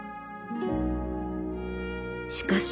しかし。